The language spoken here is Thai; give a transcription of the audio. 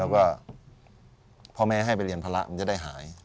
แล้วก็พ่อแม่ให้ไปเรียนภาระมันจะได้หาย